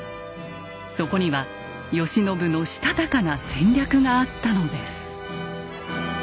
そこには慶喜のしたたかな戦略があったのです。